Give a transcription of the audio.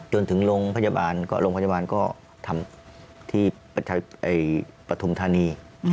จนถึงโรงพยาบาลก็โรงพยาบาลก็ทำที่ปฐุมธานี